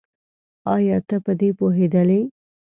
ايا ته په دې پوهېدلې؟